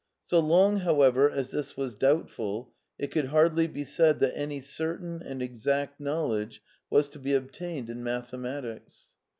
So long, however, as this was doubtful it could hardly be said that any certain and exact knowledge was to be obtained in mathematics.